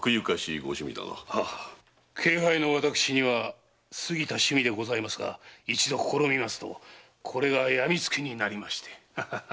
軽輩の私には過ぎた趣味でございますが一度試みますとこれが病みつきになりまして。